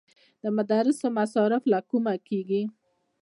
د مدرسو مصارف له کومه کیږي؟